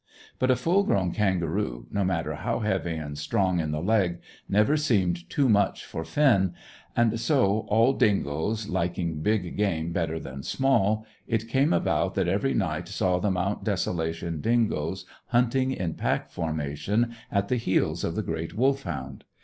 But a full grown kangaroo, no matter how heavy and strong in the leg, never seemed too much for Finn; and so, all dingoes liking big game better than small, it came about that every night saw the Mount Desolation dingoes hunting in pack formation at the heels of the great Wolfhound.